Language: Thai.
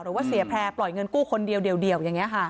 หรือว่าเสียแพร่ปล่อยเงินกู้คนเดียวเดี่ยวอย่างนี้ค่ะ